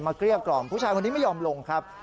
เกลี้ยกล่อมผู้ชายคนนี้ไม่ยอมลงครับ